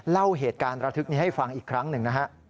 เล่าเหตุการณ์ระทึกนี้ให้ฟังอีกครั้งหนึ่งนะฮะ